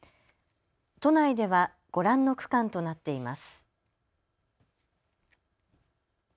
都内ではご覧の区間となっています。